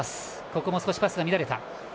ここも少しパスが乱れた。